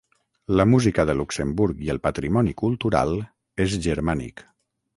La música de Luxemburg i el patrimoni cultural és germànic.